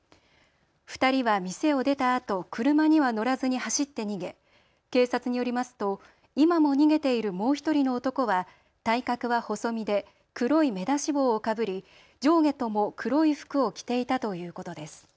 ２人は店を出たあと車には乗らずに走って逃げ警察によりますと今も逃げているもう１人の男は体格は細身で黒い目出し帽をかぶり、上下とも黒い服を着ていたということです。